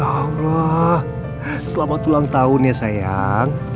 ya allah selamat ulang tahun ya sayang